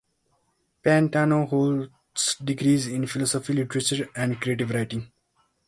Pantano holds degrees in philosophy, literature, and creative writing.